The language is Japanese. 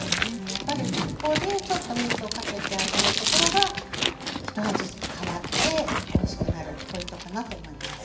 やっぱりここでちょっとみつをかけてあげるところがひと味変わっておいしくなるポイントかなと思います。